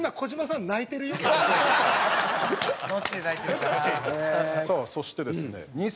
さあそしてですね